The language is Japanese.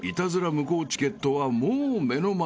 無効チケットはもう目の前］